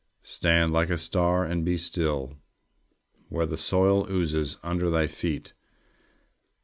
Stand like a star, and be still, Where the soil oozes under thy feet.